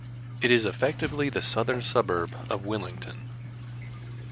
It is effectively the southern suburb of Willington.